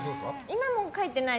今はもう書いてない。